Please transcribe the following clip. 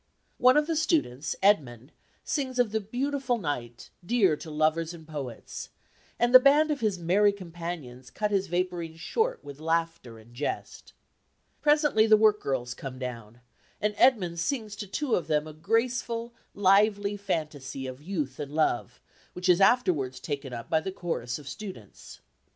One of the students, Edmund, sings of the beautiful night dear to lovers and poets, and the band of his merry companions cut his vapourings short with laughter and jest. Presently the work girls come down, and Edmund sings to two of them a graceful, lively fantasy of youth and love, which is afterwards taken up by the chorus of students.